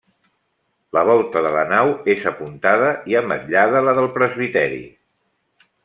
La volta de la nau és apuntada i ametllada la del presbiteri.